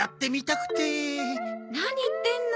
何言ってんの。